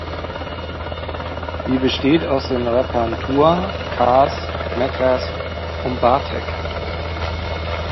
Sie besteht aus den Rappern Tua, Kaas, Maeckes und Bartek.